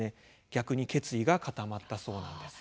逆に決意が固まったそうなんです。